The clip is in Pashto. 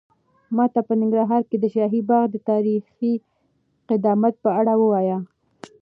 ماته په ننګرهار کې د شاهي باغ د تاریخي قدامت په اړه ووایه.